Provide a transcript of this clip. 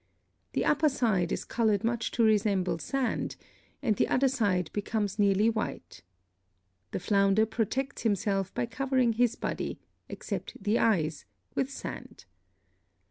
The upper side is colored much to resemble sand, and the under side becomes nearly white. The flounder protects himself by covering his body, except the eyes, with sand.